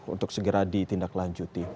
untuk segera ditindaklanjuti